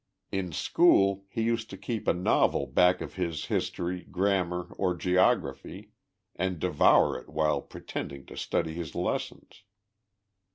In school he used to keep a novel back of his history, gram mar or geography, and devour it while pretending to study his lessons.